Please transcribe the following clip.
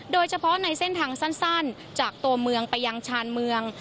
โดยเฉพาะในเส้นทางสั้นจากตัวเมืองไปยังชานเมือง